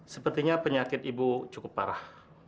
sepertinya penyakit ibu cukup parah